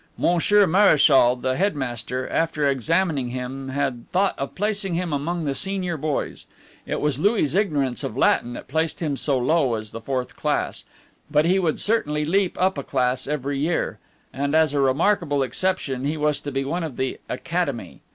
Monsieur Mareschal, the headmaster, after examining him, had thought of placing him among the senior boys. It was Louis' ignorance of Latin that placed him so low as the fourth class, but he would certainly leap up a class every year; and, as a remarkable exception, he was to be one of the "Academy."